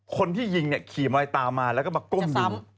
คนที่ยิงเนี่ยขี่มอยตามมาแล้วก็มาก้มดึง